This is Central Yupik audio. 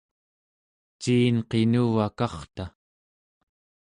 ciin qinuvakarta?